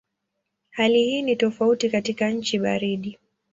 Hali hii ni tofauti katika nchi baridi.